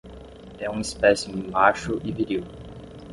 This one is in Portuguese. É um espécime macho e viril